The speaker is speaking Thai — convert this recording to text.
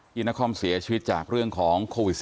นครเสียชีวิตจากเรื่องของโควิด๑๙